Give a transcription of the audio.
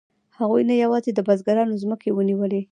هغوی نه یوازې د بزګرانو ځمکې ونیولې